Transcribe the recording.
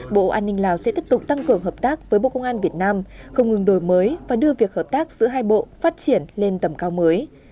bộ an ninh lào sẽ tiếp tục tăng cường hợp tác với bộ công an việt nam không ngừng đổi mới và đưa việc hợp tác giữa hai bộ phát triển lên tầm cao mới